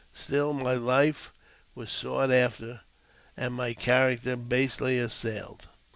Sti my life was sought after, and my character basely assailed.